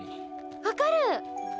わかる！